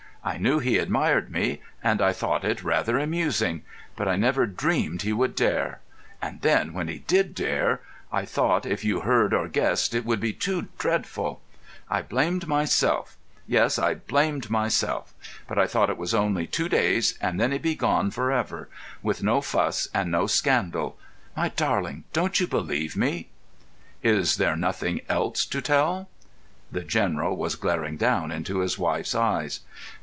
I knew he admired me—and I thought it rather amusing; but I never dreamed he would dare. And then, when he did dare, I thought if you heard or guessed it would be too dreadful. I blamed myself—yes, I blamed myself. But I thought it was only two days, and then he'd be gone for ever—with no fuss and no scandal. My darling, don't you believe me?" "Is there nothing else to tell?" The General was glaring down into his wife's eyes.